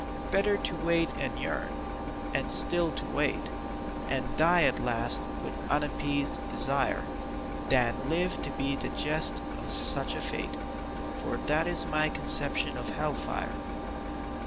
Better to wait and yearn, and still to wait, And die at last with unappeased desire, Than live to be the jest of such a fate, For that is my conception of hell fire.